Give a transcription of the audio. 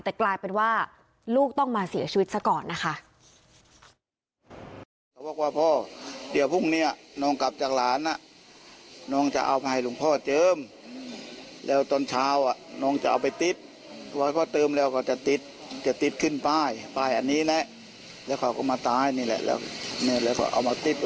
แต่กลายเป็นว่าลูกต้องมาเสียชีวิตซะก่อนนะคะ